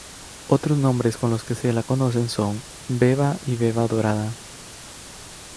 Otros nombres con los que se la conoce son: beba y beba dorada.